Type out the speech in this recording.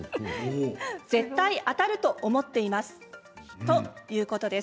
絶対当たると思っていますということです。